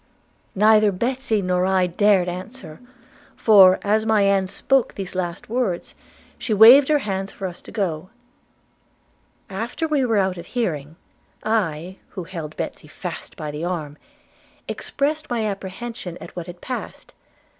'Neither Betsy nor I dared answer; for, as my aunt spoke these last words, she waved her hands for us to go. After we were out of hearing, I, who held Betsy fast by the arm, expressed my apprehension at what had passed.